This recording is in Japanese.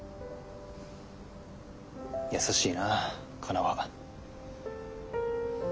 優しいなカナは。